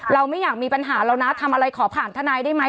เราไม่อยากมีปัญหาเรานะทำอะไรขอผ่านทนายได้ไหม